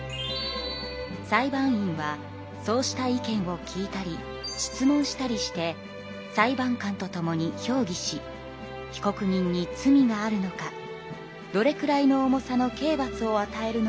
裁判員はそうした意見を聞いたり質問したりして裁判官と共に評議し被告人に罪があるのかどれくらいの重さの刑罰をあたえるのがよいのか話し合い